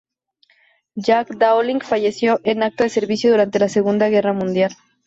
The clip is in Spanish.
Jack Dowling falleció en acto de servicio durante la Segunda Guerra Mundial.